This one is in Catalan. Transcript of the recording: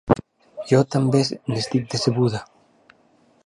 Jo també n’estic decebuda.